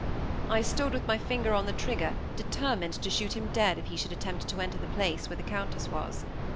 I stood, with my finger on the trigger, determined to shoot him dead if he should attempt to enter the place where the Countess was.